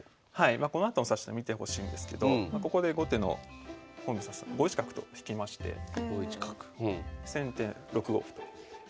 このあとの指し手見てほしいんですけどここで後手の本因坊算砂さん５一角と引きまして先手６五歩と。